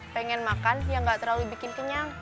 pengen makan yang gak terlalu bikin kenyang